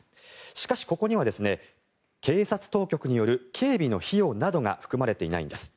しかし、ここには警察当局による警備の費用などが含まれていないんです。